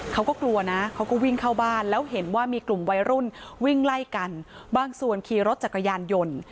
เขาก็กลัวนะเขาก็วิ่งเข้าบ้านแล้วเห็นว่ามีกลุ่มวัยรุ่นวิ่งไล่กันบางส่วนขี่รถจักรยานยนต์